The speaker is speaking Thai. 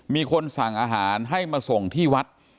มีคนสั่งอาหารให้มาส่งที่วัด